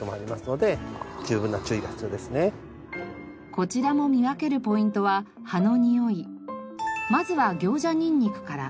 こちらも見分けるポイントはまずはギョウジャニンニクから。